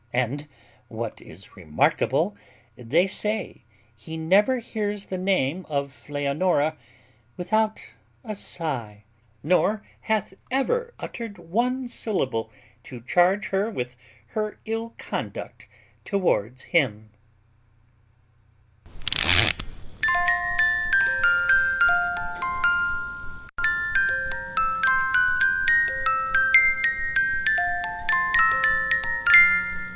And what is remarkable, they say he never hears the name of Leonora without a sigh, nor hath ever uttered one syllable to charge her with her ill conduct towards him.